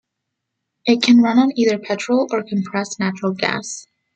It can run on either petrol or compressed natural gas.